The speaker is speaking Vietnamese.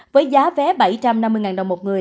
với giá vé bảy trăm năm mươi đồng một người